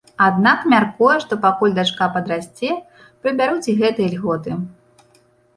Аднак мяркуе, што пакуль дачка падрасце, прыбяруць і гэтыя льготы.